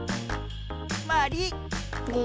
まり。